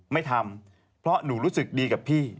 ไม่ทำเพราะหนูรู้สึกดีกับพี่